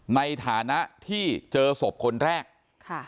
ในฐานะที่เจอศพคนแรกค่ะ